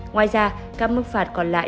ngoài ra các mức phạt còn lại